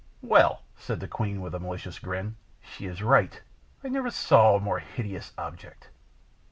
"Well," said the queen, with a malicious grin, "she is right. I never saw a more hideous object."